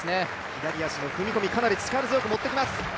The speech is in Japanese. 左足の踏み込み、かなり力強く持って行きます。